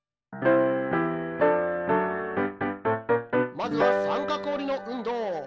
まずはさんかくおりのうんどう！